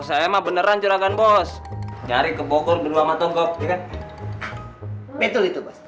saya emang beneran juragan bos nyari ke bokor benua matonggok betul itu bos